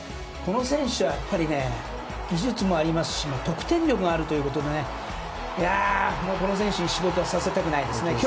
この選手は技術もありますし得点力もあるということでこの選手に仕事をさせたくないですね。